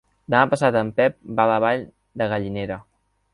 Demà passat en Pep va a la Vall de Gallinera.